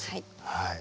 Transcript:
はい。